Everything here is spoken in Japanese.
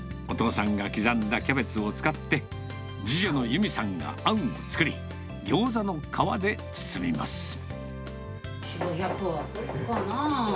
お父さんが刻んだキャベツを使って、次女の有美さんがあんを作り、ギョーザの皮で包みます。